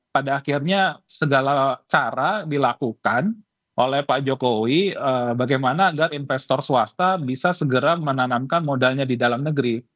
pada akhirnya segala cara dilakukan oleh pak jokowi bagaimana agar investor swasta bisa segera menanamkan modalnya di dalam negeri